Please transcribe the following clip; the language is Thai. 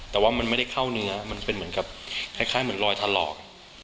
แต่ว่ามันไม่ได้เข้าเนื้อมันเป็นเหมือนกับคล้ายเหมือนรอยถลอก